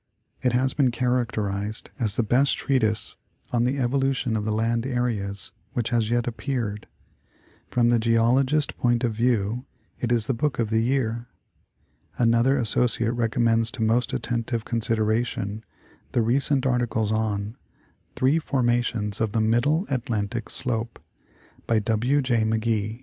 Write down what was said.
It has been characterized as the best treatise on the evo lution of the land areas which has yet appeared ; from the Geologist point of view it is the book of the year. Another associate recommends to most attentive consideration the recent articles on " Three formations of the Middle Atlantic slope," by W J McGee (Am. Journal Science, Feb.